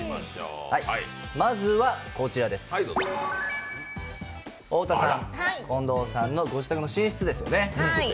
まずは、太田さん、近藤さんのご自宅の寝室ですね。